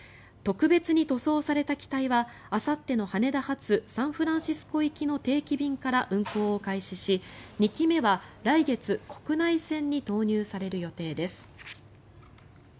特別に塗装された機体はあさっての羽田発サンフランシスコ行きの定期便から運航を開始し２機目は来月、国内線に投入される予定です。